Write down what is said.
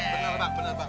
benar mbak benar mbak